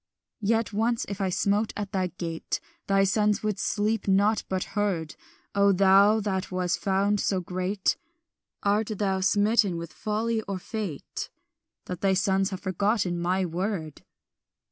"Yet once if I smote at thy gate, Thy sons would sleep not, but heard; O thou that wast found so great, Art thou smitten with folly or fate That thy sons have forgotten my word?